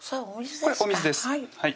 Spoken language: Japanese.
これお水です